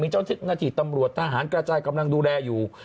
เจ้าหน้าที่ตำรวจทหารกระจายกำลังดูแลอยู่